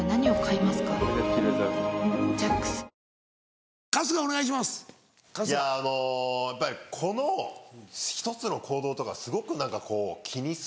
いやあのやっぱり子の１つの行動とかすごく何かこう気にする。